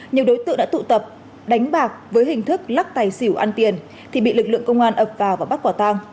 nhiều đối tượng đã tụ tập đánh bạc với hình thức lắc tài xỉu ăn tiền thì bị lực lượng công an ập vào và bắt quả tang